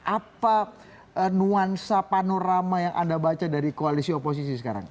apa nuansa panorama yang anda baca dari koalisi oposisi sekarang